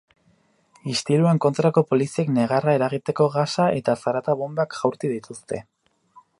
Istiluen kontrako poliziek negarra eragiteko gasa eta zarata bonbak jaurti dituzte.